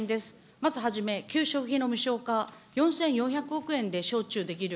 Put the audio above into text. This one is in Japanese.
まずはじめ、給食費の無償化、４４００億円で小中できる。